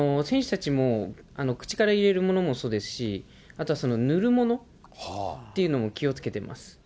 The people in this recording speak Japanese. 選手たちも口から入れるものもそうですし、あとは塗るものっていうのも気をつけています。